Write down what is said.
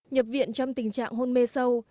nhập viện trong tình trạng hôn mê sâu